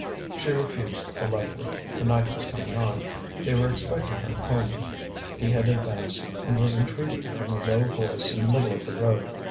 She refused politely; the night was coming on, they were expecting her at home. He had advanced, and was entreating her in a low voice in the middle of the road.